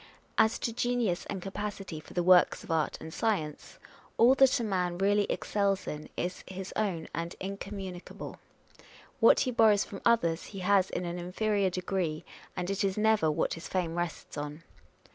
As to genius and capacity for the works of art and science, all that a man really excels in is his own and incommunic able ; what he borrows from others he has in an inferior degree, and it is never what his fame rests on.